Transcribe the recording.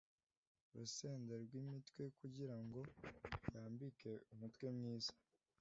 urusenda rwimitwe kugirango yambike umutwe mwiza,